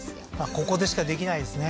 ここでしかできないですね